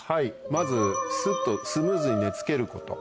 まずスッとスムーズに寝付けること。